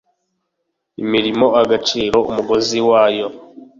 , imirimo, agaciro, umugozi wayo